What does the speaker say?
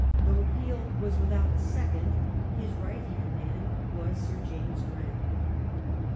Though Peel was without a second, " his right hand man "^ was Sir James Graham.